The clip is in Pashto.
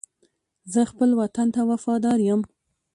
زه خپل وطن ته وفادار یم.